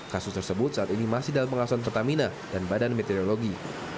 kasus tersebut saat ini masih dalam pengawasan pertamina dan badan meteorologi